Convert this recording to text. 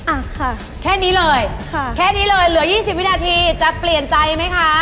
อ่ะค่ะแค่นี้เลยค่ะแค่นี้เลยเหลือ๒๐วินาทีจะเปลี่ยนใจไหมคะ